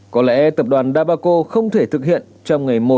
có lẽ tập đoàn đa bà cô không thể thực hiện trong ngày một